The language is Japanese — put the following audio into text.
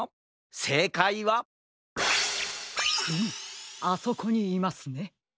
せいかいはフムあそこにいますね。